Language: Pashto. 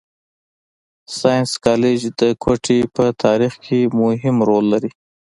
ساینس کالج د کوټي په تارېخ کښي مهم رول لري.